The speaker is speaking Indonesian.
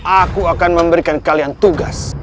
aku akan memberikan kalian tugas